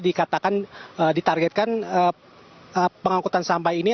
dikatakan ditargetkan pengangkutan sampah ini